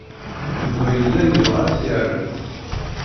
Yuba yella yebɣa ad t-yarem.